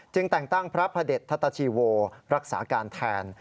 แต่งตั้งพระพระเด็จทัตชีโวรักษาการแทน